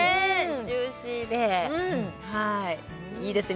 ジューシーでいいですね